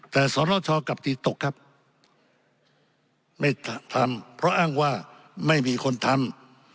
แต่สนชกลับตีตกครับไม่ทำเพราะอ้างว่าไม่มีคนทำ